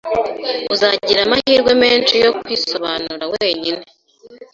Uzagira amahirwe menshi yo kwisobanura wenyine